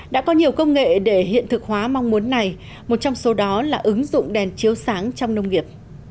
đã có nhiều công nghệ để hiện thực hóa mong muốn này một trong số đó là ứng dụng đèn chiếu sáng trong nông nghiệp